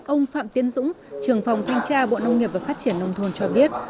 ông phạm tiến dũng trường phòng thanh tra bộ nông nghiệp và phát triển nông thôn cho biết